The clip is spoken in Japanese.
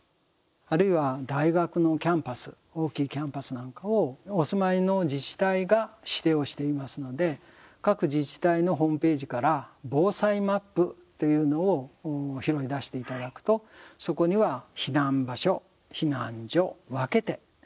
あるいは大学のキャンパス大きいキャンパスなんかをお住まいの自治体が指定をしていますので各自治体のホームページから防災マップというのを拾いだしていただくとそこには避難場所、避難所分けて書いてあります。